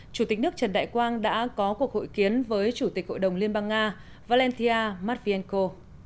chủ tịch nước trần đại quang đã có cuộc hội kiến với chủ tịch hội đồng liên bang nga valentia matvienko